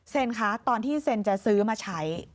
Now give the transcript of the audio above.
คะตอนที่เซนจะซื้อมาใช้